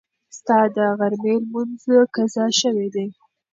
ستا د غرمې لمونځ قضا شوی دی.